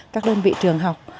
các đơn vị trường học